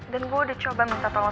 dan gue udah coba minta panggilan